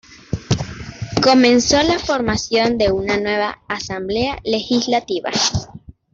Comenzó la formación de una nueva asamblea legislativa.